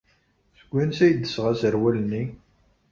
Seg wansi ay d-tesɣa aserwal-nni?